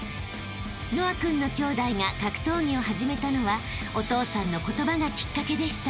［和青君のきょうだいが格闘技を始めたのはお父さんの言葉がきっかけでした］